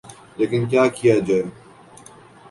لیکن کیا کیا جائے۔